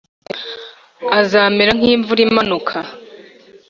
azamera nk’imvura imanuka,